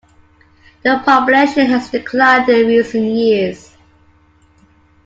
The population has declined in recent years.